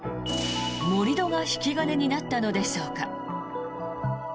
盛り土が引き金になったのでしょうか。